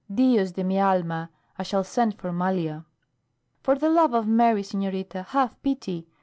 Dios de mi alma! I shall send for Malia." "For the love of Mary, senorita, have pity!"